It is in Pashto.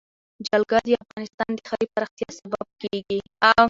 جلګه د افغانستان د ښاري پراختیا سبب کېږي.